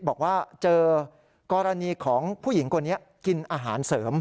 บอกว่าเจอกรณีของผู้หญิงคนนี้กินอาหารเสริม